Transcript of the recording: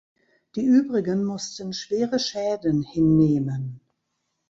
Die übrigen mussten schwere Schäden hinnehmen.